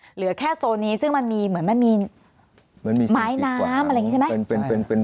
เหลือแค่โซนนี้ซึ่งมันมีเหมือนมันมีเหมือนมีไม้น้ำอะไรอย่างนี้ใช่ไหม